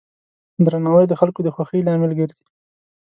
درناوی د خلکو د خوښۍ لامل ګرځي.